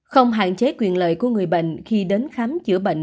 không hạn chế quyền lợi của người bệnh khi đến khám chữa bệnh